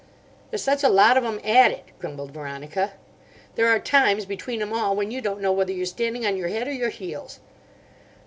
"There's such a lot of 'em at it," grumbled Veronica. "There are times, between 'em all, when you don't know whether you're standing on your head or your heels."